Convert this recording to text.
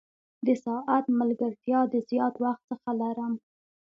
د ساعت ملګرتیا د زیات وخت څخه لرم.